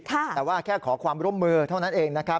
แต่ว่าแค่ขอความร่วมมือเท่านั้นเองนะครับ